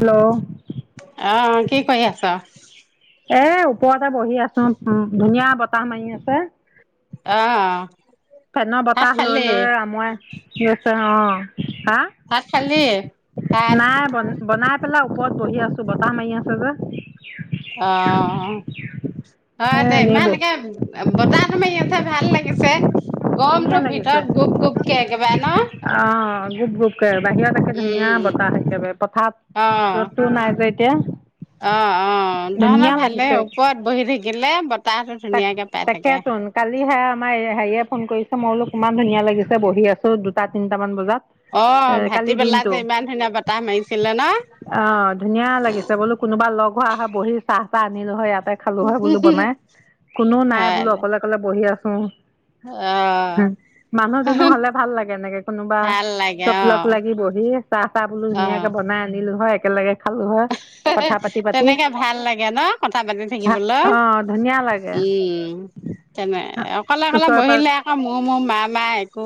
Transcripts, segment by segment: Hello আহ কি কৰি আছ এ ওপৰতে বহি আছো উ ধুনীয়া বতাহ মাৰি আছে অ পেনৰ ভাত বতাহ খালি? লৈ লৈ আমই গৈছে অ হা ভাত খালি? ভাত নাই বন বনাই পেলাই ওপৰত বহি আছো বতাহ মাৰি আছে যে অ এ হয় দে এনেই ইমান ব এনেকে বতাহ তমাৰ ইিহঁতে ভাল লাগিছে ধুনীয়া গমতটো লাগিছে ভিতৰত গোপ গোপকে একেবাৰে ন অ গুপ গুপকে বাহিৰত একে ধুনীয়া উম, বতাহ একেবাৰে পথাত অ'। ৰ'দতো নাই যে এতিয়া অ' অ' ধুনীয়া তহতৰ ভালে লাগিছে ওপৰত বহি থাকিলে বতাহটো তাক ধুনীয়াকে পাই থাকে। তাকেতোন কালি হে আমাৰ হেৰিয়ে কৰিছে মই বোলো কিমান ধুনীয়া লাগিছে বহি আছো দুটা তিনিটামান বজাত। অ এ ভাটি কালি বেলা যে দিনটো ইমান ধুনীয়া বতাহ মাৰিছিলে ন অ' ধুনীয়া লাগিছে বোলো কোনোবা লগ হোৱা হয় বহি চাহ। তাহ আনিলো হয় ইয়াতে খালো হয় বোলো বনাই কোননেও নাই হয় বোলো দে। অকলে অকলে বহি আছো অ' হ মানুহ দুনুহ ভাল লাগে এনেকে কোনোবা। ভাল লাগে চব লগ অ', লাগি বহি চাহ চাহ বোলো ধুনীয়াকে অ', বনাই আনিলো হয় একেলগে খালো হয়। কথা পাতি পাতি তেনেকে ভাল লাগে ন কথা পাতি থাকিবলৈ। অ' ধুনীয়া লাগে উম তেনেক অকলে অকলে ওচৰে পাজ বহিলে আকৌ মোৰ মোৰ মা মায় আকৌ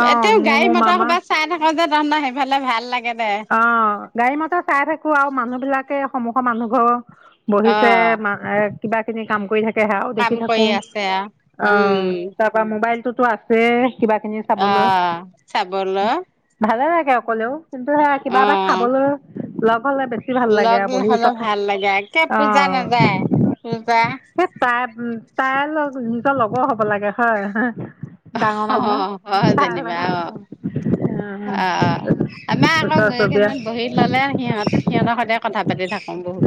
অ' এতিও মোৰ গাড়ী মোৰ মতৰ মামা ক'ৰবাত চাই থাক যে তহ সেইফালে ভাল লাগে। দে অ' গাড়ী মটৰ চাই থাকো আৰু মানুহ বিলাকে সন্মুখৰ মানুহ ঘৰ অ বহিছে মা কিবা খিনি কাম কৰি থাকে একেৰাহে আও কাম দেখি কৰি থাকো আছে আও অ উম 'তাৰ পৰাা মোবাইলটোতো আছেই কিবা কিনি অ চাবলৈ চাবলৈ ভালে লাগে অকলেও কিন্তু সে। কিবা অ এটা খাবলৈ লগ। হ'লে বেছি ভাল লাগে লগ আৰু বহি হলে কথা ভাল লাগে একে অ পূজা নাযায় পূজা তাই -তাই লগ নিজৰ লগৰ হ'ব লাগে হয়। ডাঙৰ মানুহ অ' হয় তাৰ যেনিবা লগত অ ' অ' আমাৰ আকৌ ওচৰ গৈ চুবুৰীয়া কেইমান বহিত ললে সিহঁত সিহঁতৰ সতে পাতি থাকোঁ বহুত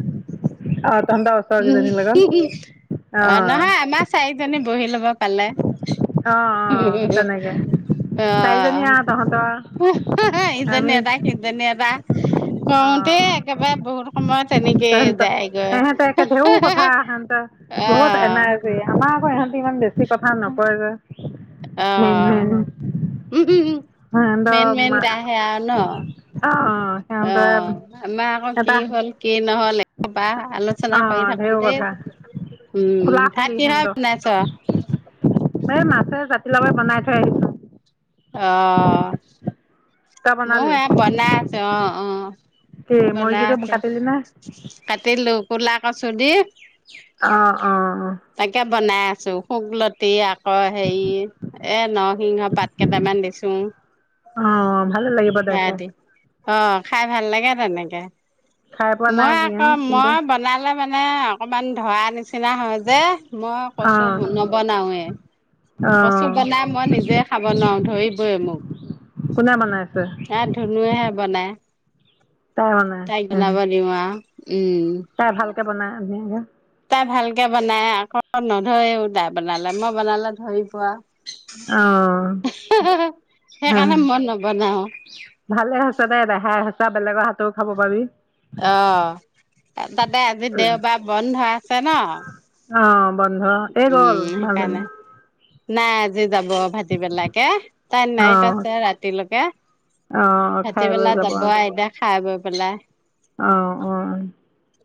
অ', তহঁতৰ ওচৰ কেইজনীৰ লগত অ 'নহয় আমাৰ চাৰিজনী পঢ়ি ল'ব পালে অ', অ', তেনেকে চাৰিজনী আহ আৰু তহঁতৰ ইজনি আমি এটা সিজনি এটা কৰওঁতে অ', একেবাৰে বহুত সময়ত তেনেকে তেহেঁত যায়গৈ সেহেঁতে একে ঢেৰ কথা সেহেঁতে বহুত আহ এনাই যে আমাৰ আকৌ ইহঁতি ইমান বেছি কথা নকয় যে আহ [inaudible] হৰেন্দ মেইন মেইন মা আহে আৰু ন অ ' অ 'আমাৰ আকৌ কি হ'ল কি নহল একো বাহ আলোচনা কৰি অঁ ঢেৰ থাকো দেই কথা খোলা উম ভাত খুলি কিহে সিহঁতৰ বনাইছ এই মাছে জাতিলাবাই বনাই থৈ আহিছো অহ তই মই বনালি এ বনা আছো অ' অ' কি বনাই মুৰ্গীটো আছেো কাটিলি নে কাটিলো কলা কচু দি। অ' অ' তাকে বনাই আছো শুকললতি আকৌ হেৰি এ নৰ সিংহ কেইটামান দিছোঁ অঁ ভালে লাগিব দে সেয়া খাই দি অ' খাই ভাল লাগে তেনেকে খাই পোৱা নাই মই কি আকৌ কিন্তু মই বনালে মানে অকমান ধৰা নিচিনা হয় যে মই কচু অঁ নবনাওে। কচু অঁ বনাই মই নিজে খাম বনাও ধৰিবই মোক কোনে বনাইছে এ ধুনুুৱেহে বনাই। তাই তাই বনাই বলাব দিও আও উম তাই ভালকে বনাই ধুনীয়াকে তাই ভাল ভাল কৰে বনাই আকৌ নধৰি উ তাই বনালে মই বনালে ধৰি পোৱা অ ' হ সেইকাৰণে মই নবনাও ভালে আ দেখাই সঁচা বেলেগৰ হাতও খাব পাৰি। অ' তাতে আজি দেওবাৰ বন্ধ আছে ন' অঁ বন্ধ এই উম গ'ল সেই কাৰণে মাজনী নাই আজি যাব ভতিবেলাকে তাই নাইট অঁ আছে ৰাতিলৈকে অঁ খাই ভাটি বৈ বেলা যাব এতিয়া খাই বৈ পেলাই অঁ অঁ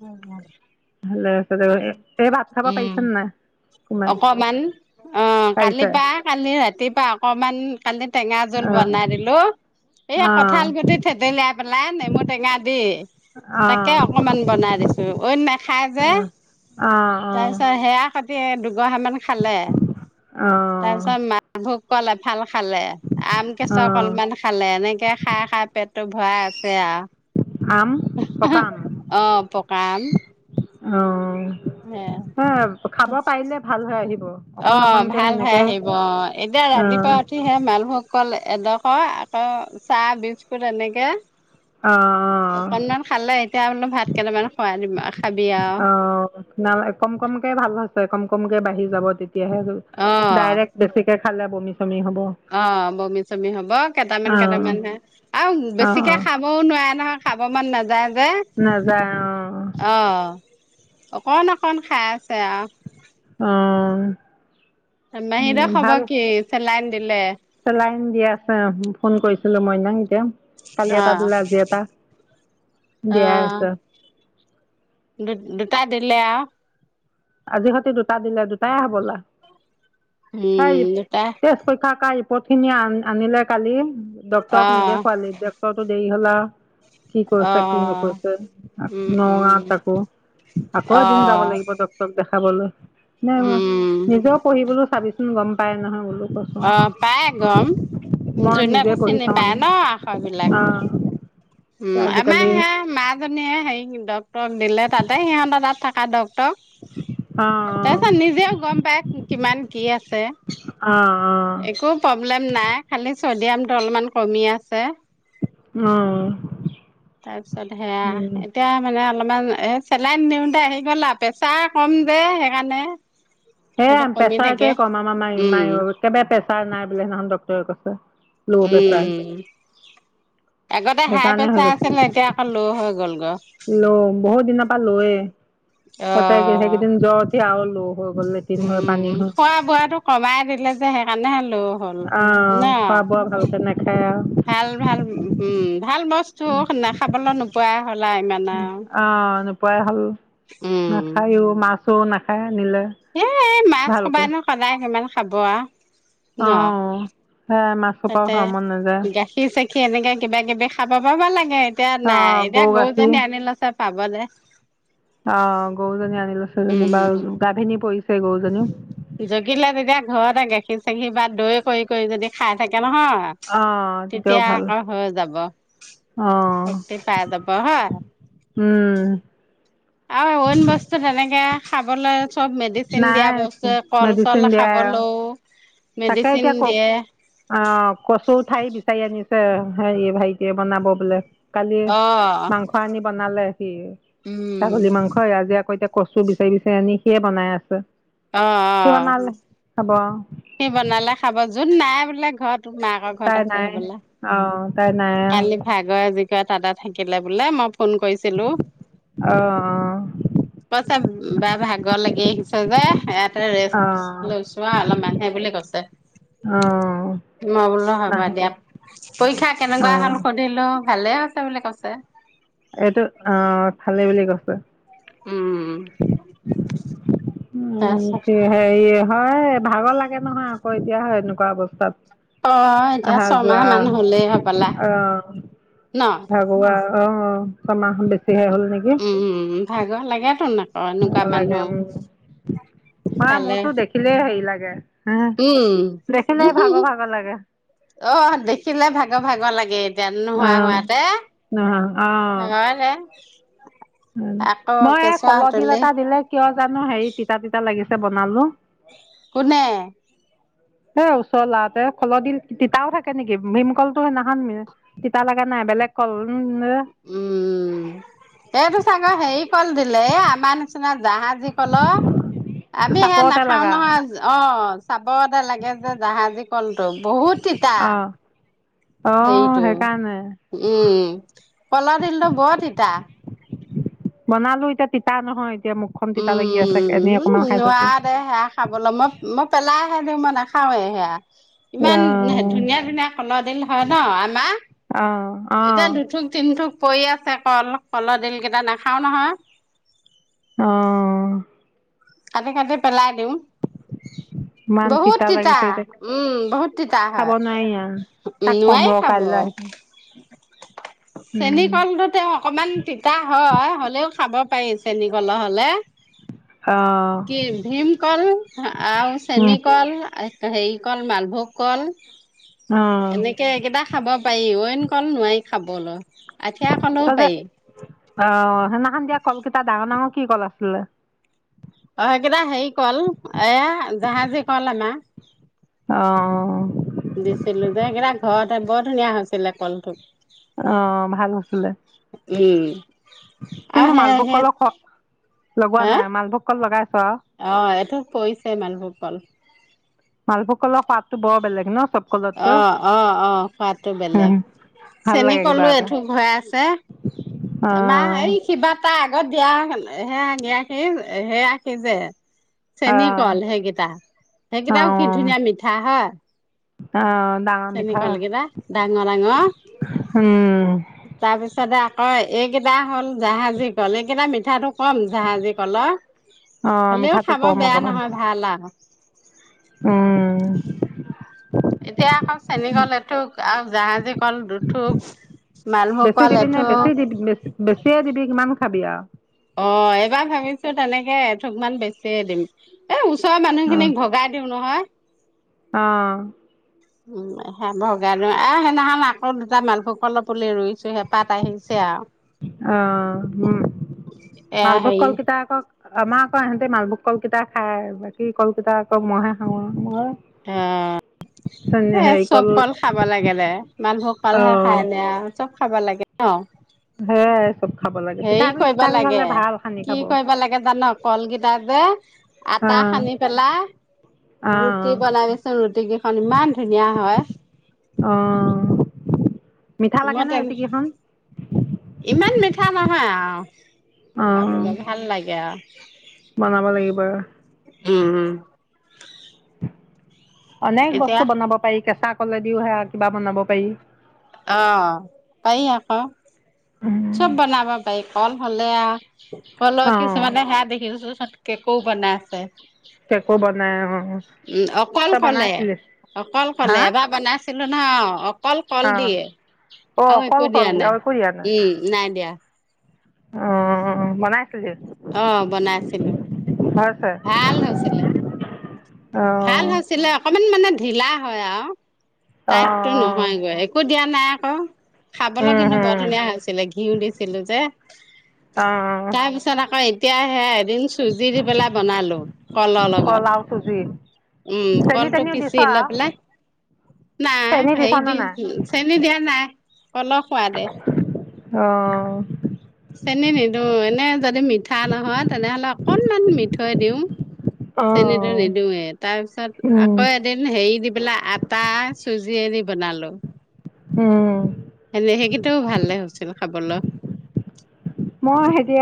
উ, ভালে হৈছে এই ভাত থাবা পাইছ ন নাই কোমাই অকমান অ কালি পাৰিছে বাা কালি ৰাতিুৱা অকমান কালি টেঙা জোল অঁ বনাই দিলো এই অঁ কঁঠাল গুটি থেতেলিয়াই পেলাই নেমু টেঙা দি অঁ তাকে অঁ অকমান বনাই দিছো ই নাখাই যে আহ অ দুগ সাান খালে তাৰ অঁ পিছত মাক ভোক কলে ভাল খালে আম কেচক অঁ অলমান খালে এনেকে খাই খাই পেটটো ভৰাই আছে আৰু আম পকা আম আহ পকাম অ হে খাব পাৰিলে ভাল হৈ আহিব অ অকন অকনকে ভাল হৈ সেনেকে আহিব অ এতিয়া ৰাতিপুৱা উঠিহে মানুহক কলে এডোখৰ আকৌ চাহ বিস্কুট এনেকৈ অ অ বোলো ভাত কেইটামান খুৱাই দিম খাবি আৰু অ কম কমকে ভাল হৈছে কম কমকে বাঢ়ি যাব তেতিয়াহে অ ডাইৰেক্ট বেছিকে খালে বমি চমি হ'ব অ বমি চমি হব কেইটামান কেইটামান হে আৰু বেছিকে অ', খাবও নোৱাৰে ধৰক খাব মন নাযায় যে নাযায় অ', অ অকণ অকন খাই আছে আহ অঁ মাহীদক হব কি চেলাইন দিলে লাইন দিয়া আছে ফোন কৰিছিলো মইনা কালি অ এটা দে আজি এটা দিয়াই আছ দু দুটা দিলিল আজি সতে দুটা দিলে দুটাই হ বলা এই উম দুটা তেছ পইক্ষা ক আহ পট খিনি আন আনিলে কালি অ ডটৰক নেদেখুৱালি ড্টৰটো দেৰি হলা কি অ কৰিছা কি নকছা উম নগাঁ উম তাকো আকৌ অ এদিন যাব লাগিব ত দেখাবলৈ নাই উম নিজেও পঢ়িবলৈও চাবিচোন গম পায় নহয় বোলো কৈছো অ পায় গম মই নিজে যোনাতটো পঢ়ি চিনি চাওঁ পায় আমি ন আখৰ বিলাক অ উম আমাৰ আজিকালি স মা জনীয়ে হেৰি ড্টৰক দিলে তাতে সিহঁত তাত থকা ডট অ তাৰপিছত নিজেও গম পায় কিমান কি আছে অ অ একো প্ৰব্লেম নাই খালি চদিয়ামটো অলমান কমি আছে আহ তাৰপিছত সেয়া এতিয়া মানে অলপমান এ চেলাই নিওঁতে আহি গ'ল আৰু পেছা কম যে সেইকাৰণে সেয় সেইটো কমি থাকে প্ৰেছাৰটোৱে কম আমাৰ ম উম মায় একেবাৰে প্ৰেছাৰ নাই বোলে সেনাহখন ডক্তৰে কৈছে ল' প্ৰেছাৰ উম আগতে হাই সেইকাৰণে হৈ প্ৰেচাৰ গৈছে আছিল নে এতিয়া আকৌ ল' হৈ গল গৈ ল বহুত দিনৰ লয়ে তাতে সেইকেইদিন যতে আহ ল হৈ গ'ল লেট্ৰিন হৈ পানী উম হৈ খোৱা বোৱা টো কমাই দিলে যে সেইকাৰণে হেল হল আহ ন খোৱা বোৱা ভালকে নাখায় আৰু ভাল ভাল উম ভাল বস্তু খাবলৈ নোপোৱা অ নোপোৱাই হল উম নাখায়ও মাছো নাখায় নিলে এ মাছ ভালকে কবাই নো সদায় কিমান খাব আৰু অ ন সে মাছৰ তাতে পৰাাও খোৱা মন নাযায় গাখীৰ চাখি এনেকে কিবা কিবি খাব পাব লাগে এতিয়া অ নাই এতিয়া গৰু গাখীৰ গৰুজনী আনিলে চ পাব দে অ গৰুজনী আনি লো ছজনী বা উম উম গাভিনী পৰিছে গৰুজনীও জগিলে তেতিয়া ঘৰতে গাখীৰ চাখি বা দৈ কৰি কৰি যদি খাই থাকে নহয় অ তেতিয়াও তেতিয়া ভাল আকৌ হৈ যাব অ শতিি পাই দব হ উম আৰুন বস্তু তেনেকে খাবলৈ চব মেডিচিন দিয়া নাই বস্তুৱ কল মেডিচিন চল দিয়াই আৰু খাবলৈও তাকে মেডিচিন এতিয়া ক দিয়ে অ কচু ঠাই বিচাৰে আনিছে হে ভাইটিয়ে বনাব বোলে কালি অ মাংস আনি বনালে সি উম ছাগলী মাংসই আজি আকৌ এতিয়া কচু বিচাৰি বিচাৰি আনি সিয়ে বনাই আছে অ অ সি বনালে হব আৰু সি বনালে খাব যোন নাই বোলে ঘৰত তোৰ মাকৰ ঘৰত তাই আছে নাই হবলা অ' তাই নাই কালি ভাগৰজি ক তা থাকিলে বোলে মই ফোন কৰিছিলো অ' কৈচা বা ভাগ লাগি আহকছ যে এয়াতে ৰেষ্ট অ' অ' লৈছো অলপ ম সেই বো কছে অ' মই বোলো হ'বা দিয়া নাহিলে পৰীক্ষা কেনেকুৱা হ'ল অ' সুধিলো ভালে আছে বুলি কৈছে এইটো আহ থালি বুলি কৈছে উম উ তাৰপিছত হেৰি হয় ভাগৰ লাগে নহয় আকৌ এতিয়া হয় এনেকুৱা অৱস্থাত অ এতিয়া আহহা ছমাহ মান হলেই হবলা যোৱা ন আহ ভাগৱা অ কমাহ বেছিহে হ'ল নেকি উম ভাগৰ লাগেতোন আকৌ এনেকুৱা ভ লাগে মানুহ উম ম ইফালে মোৰতো দেখিলেই হেৰি লাগে উম দেখিলে ভাগ ভাগ লাগে অ দেখিলে ভাগৰ ভাগৰ লাগে এতিয়া নোহোৱা অ', হোৱাতে অ', নলেে মই এই কলডিল হাতলি এটা দিলে কিয় জানো হেৰি তিতা তিতা লাগিছে বনালো পুনে সেই ওচৰ লাতে খলদ তিতাও থাকে নেকি ভীমকলটোো সেইদিনাখান তিতা লগা নাই বেলেগ কল উম, উম সেইটো চাগৰ হেৰি কল দিলে এ আমাৰ নিচিনা জাহাজ আজি কল আমি সে চাপৰতে নাখাও লাগা নহয় অ চাব দে লাগে যে জাহাজী কণটো বহুত তিতা অ', অ', সেইটো সেইকাৰণে উম কল দিলটোো বত ইতিতা বনালো এতিয়া তিতা নহয় এতিয়া মুখখন তিতা লাগি আছে এনেই অকমান উম খাই চাইছো নোৱাৰা খে দি মানে খাওে সেয়া ইমান অঁ ধুনীয়া ধুনীয়া কলদিল হয় ন আমাৰ অঁ অঁ এতিয়া দুথোক তিনিথোক পৰি আছে কল কলদিল কেইটা নাখাও নহয় আহ কাটি কাটি পেলাই দিওঁ ইমান বহুত তিতা লাগিছে এতিয়া উম বহুত তিতা খাব হয় নোৱাৰি আৰু উম তাক ক'ম নোৱাইে ৰ খাব কাইলৈ আহি চেনী কলটোো তেওঁ অকমান তিতা হয় হ'লেও খাব পাৰি চেনী কলৰ হলে হয় কি ভীম কল আৰু চেন কল হেৰি কল মালভোগ কল এনেকে এইকেইটা খাব পাৰি কল নোৱাৰি খাবলৈ আঠিয়া ত কলেও পাৰি আহ সেইদিনাখন দিয়া কলকেইটা ডাঙৰ ডাঙৰ কি কল আছিলে। অকেইটা হেৰি কল এয়া জাহাজী কল আমাৰ। অ, অ। দিছিলো সেইকেইটা ঘৰতে বৰ ধুনীয়া হৈছিলে কলঠোক। অ ভাল আছিলে উম আৰু কিন্তু সে মালভোগ হে কলৰ লগোৱা হা নাই মালভোগ কল লগাই আছ অ', এইটো বেলেগ ন চব কলতকৈ আহ, আহ, আহ খোৱাতটো বেলেগ। ভাল চেনী লাগে কিবা কলো এটা এইঠোক হৈ আছে বাহ আহ এই [unintelligible] আগত দিয়া সেয়া সি সেয়াখি যে চেনী আহ কল সেইকেইটা সেইকেইটাও কি আহ ধুনীয়া মিঠা হয়। আহ ডাঙৰ চেনি মিঠা কলকিতা ডাঙৰ ডাঙৰ। উম। অ, এইকেইটা হ'ল জাহাজী কল এইকেইটা মিঠাটো কম জাহাজী কল অ হ'লেও মিঠাটো খাব কম বেয়া অকমান নহয় ভাল আৰু উম এতিয়া আকৌ চেনী কল এথুোক আৰু জাহাজী কল দুঠুক বেছি মালভোকল‌ দিবি নে বেছি এঠোক দিবি বেছি- বেছিয়ে দিবি কিমান খাৱি। অ এইবাৰ ভাবিছো তেনেকে এথোক মান বেছিয়ে দিম এ ছয় মানুহখিনিক ভগাই দিওঁ নহয়। আহ। উম সে ভগাই দিও আহ সেইদিনাখন আকৌ দুটা মালভোগ কলৰ পুলি ৰুইছো সে অ, উম এয়া ভালভ হেৰি কলকিতা আকৌ আমাৰ আকৌ ইহঁতে মালভোগ কল কেইটা খাই বাকী কল কেইটা আকৌ মইহে খাওঁ মই আহ। চোন এ হেৰি চব কল খাব লাগে দে মালভোগ অ কালহে খায় ন আৰু চব খাব লাগে। অহ। সেইয়াই চব খাব লাগে পিঠাগুড়ি চিঠাগুড়ি কৰি লাগে হলে ভাল সানি কি খাব। কৰিব লাগে জান কলকেইটা যে অ আটা সানি পেলাই অ ৰুটি বনাবিচোন ৰুটি কেইখন ইমান ধুনীয়া হয়। অ। মিঠা লাগে মই নে তেনে ৰুটিকেইখন ইমান মিঠা নহয় আৰু। অ খাবলৈ ভাল লাগে আৰু। বনাব লাগিব ৰ উম, উম। অনেক বস্তু বনাব পাৰি কেঁচা কলেদিও সে কিবা বনাব পাৰি। অ পাৰ আকৌ চব বনাব পাৰি কল হ'লে আহ। কল অ কিছুমানে সেয়া দেখিছোঁ কেকো বনাই আছে। কেকো বনাই অ,। উম অকল তই কলে। বনাইছিলি অকল কলে হা এবাৰ বনাইছিলো নহয় অকল কল অ দিয়ে। অ আকৈ অকল একো কল দিয়া নাই একো দিয়া নাই উম নাই দিয়া। অ বনাইছিলো দে অ, বনাইছিলো। হৈছে ভাল হৈছিলে অ ভাল হৈছিলে অক ইমান মানে ঢিলা হয় আৰু অ টাইপতটো নহয়গৈ একো দিয়া নাই আকৌ। খাবলৈ উম কিন্তু বৰ হম ধুনীয়া হৈছিলে ঘিউ দিছিলো যে অ তাৰপিছত আকৌ তেতিয়া সে এদিন চুজি দি পেলাই বনালো কলৰ লগত। কল আৰু চুজি উম চেনি কলটো তেনিও দিছ পিছি ইলাপেলা আৰু নাই চেনি হে দিছ নে দি নাই চেনি দিয়া নাই কল সোৱাদে। অ। চেনী নিদিওঁ এনে যদি মিঠা নহয় তেনেহলে অকনমান মিঠৈ দিওঁ। অ চেনীতটো নিদিওয়ে তাৰ পিছত উম আকৌ এদিন হেৰি দি পেলাই আটা চুজি চুজিয়ে দি বনালো উম এনে সেইকেইটাও ভালে হৈছিল খাবলৈ মই এতিয়া